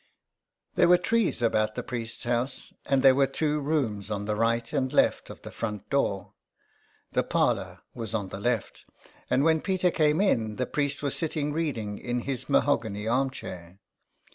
There were trees about the priest's house, and there were two rooms on the right and left of the front door. The parlour was on the left, and when Peter came in the priest was sitting reading in his mahogany armchair.